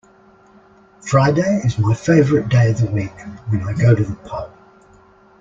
Friday is my favourite day of the week, when I go to the pub